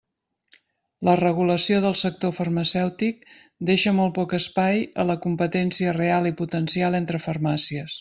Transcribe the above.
La regulació del sector farmacèutic deixa molt poc espai a la competència real i potencial entre farmàcies.